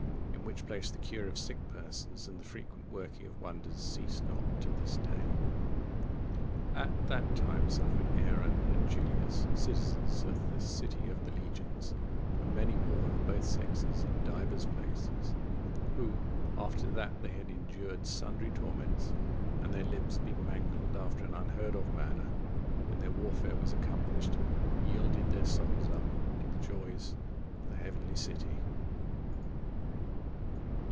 (56) In which place the cure of sick persons and the frequent working of wonders cease not to this day. At that time suffered Aaron and Julius,(57) citizens of the City of Legions,(58) and many more of both sexes in divers places; who, after that they had endured sundry torments, and their limbs had been mangled after an unheard of manner, when their warfare was accomplished, yielded their souls up to the joys of the heavenly city.